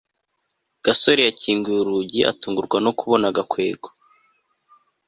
gasore yakinguye urugi atungurwa no kubona gakwego